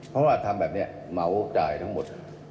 เพราะว่าทำแบบนี้เหมาจ่ายทั้งหมด